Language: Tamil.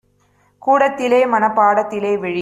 கூடத்திலே மனப் பாடத்திலே - விழி